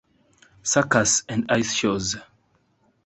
Circus and Ice Shows.